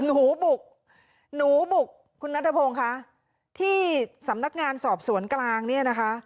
หนูบุกหนูบุกคุณนัทพงศ์ค่ะที่สำนักงานสอบสวนกลางเนี่ยนะคะ